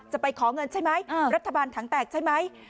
ไปขอเงินใช่ไหมรัฐบาลถังแตกใช่ไหม